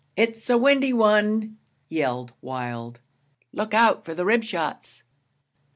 'It's a windy one,' yelled Wild. 'Look out for the rib shots.'